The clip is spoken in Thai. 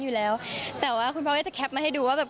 ใช่ค่ะทั้งคุณพ่อคุณแม่ก็เป็นบิ๊กแฟนหนูมาก